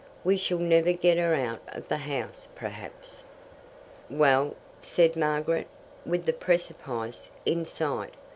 We shall never get her out of the house, perhaps." "Well?" said Margaret, with the precipice in sight.